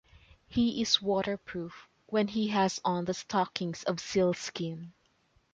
He is waterproof when he has on the stockings of sealskin.